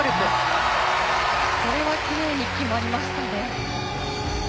これはきれいに決まりましたね。